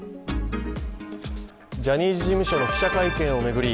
ジャニーズ事務所の記者会見を巡り